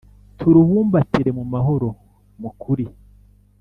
Turubumbatire mu mahoro, mu kuri